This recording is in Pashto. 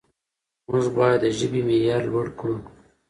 موږ باید د ژبې معیار لوړ کړو.